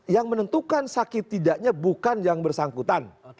yang menentukan sakit tidaknya bukan yang bersangkutan